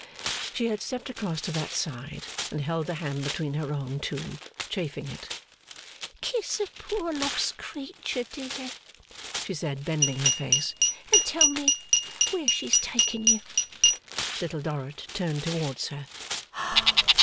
She had stepped across to that side, and held the hand between her own two, chafing it. 'Kiss a poor lost creature, dear,' she said, bending her face, 'and tell me where's she taking you.' Little Dorrit turned towards her.